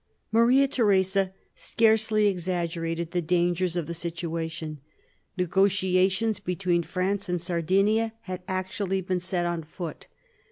Maria Theresa scarcely exaggerated the dangers of the situation. Negotiations between France and Sardinia had actually been set on foot.